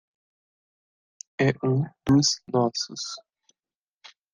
É um dos nossos